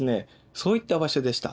そういった場所でした。